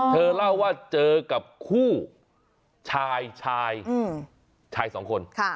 เธอเล่าว่าเจอกับคู่ชายชายสองคน